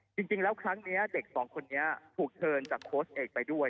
จริงแล้วครั้งนี้เด็กสองคนนี้ถูกเชิญจากโค้ชเอกไปด้วย